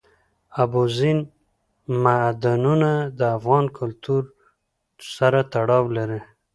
اوبزین معدنونه د افغان کلتور سره تړاو لري.